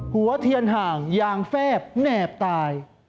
หัวเทียนห่างยางแฟบแนบตาย